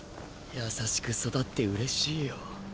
優しく育って嬉しいよ。